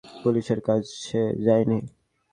পুলিশের কাছে যাইনি।